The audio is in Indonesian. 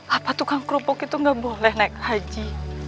apa tukang kerupuk itu nggak boleh naik haji